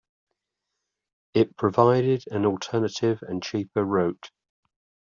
It provided an alternative and cheaper route.